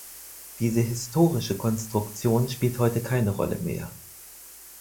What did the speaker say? Diese historische Konstruktion spielt heute keine Rolle mehr.